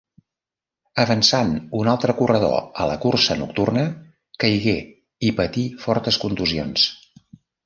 Avançant un altre corredor a la cursa nocturna, caigué i patí fortes contusions.